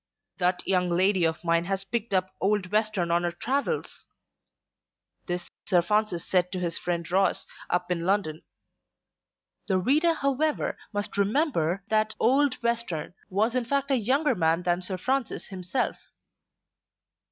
"That young lady of mine has picked up old Western on her travels." This Sir Francis said to his friend Ross up in London. The reader however must remember that "old Western" was in fact a younger man than Sir Francis himself.